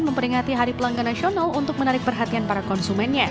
memperingati hari pelanggan nasional untuk menarik perhatian para konsumennya